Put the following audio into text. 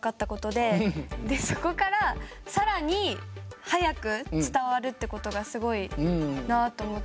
でそこから更に速く伝わるって事がすごいなあと思って。